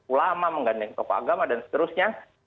ulama menggandeng tokoh agama dan seterusnya